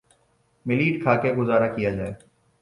millet کھا کر گزارہ کیا جائے